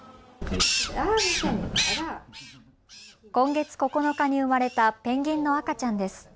今月９日に生まれたペンギンの赤ちゃんです。